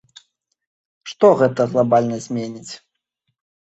Што гэта глабальна зменіць?